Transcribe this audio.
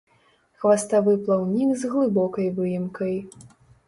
Хваставы плаўнік з глыбокай выемкай.